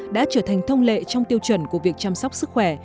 đã trở thành thông lệ trong tiêu chuẩn của việc chăm sóc sức khỏe